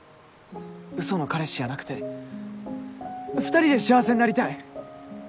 ウソの彼氏じゃなくて２人で幸せになりたい！